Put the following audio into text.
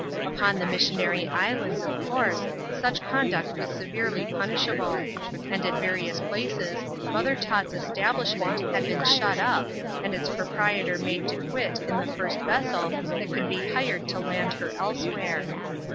Upon the missionary islands, of course, such conduct was severely punishable ; and at various places. Mother Tof • establishment had been shut up, and its proprietor made to quit in the first vessel that could be hired to land her elsewhere.